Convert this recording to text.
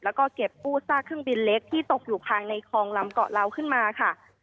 แล้วก็เก็บกู้ซากเครื่องบินเล็กที่ตกอยู่ภายในคลองลำเกาะเหลาขึ้นมาค่ะ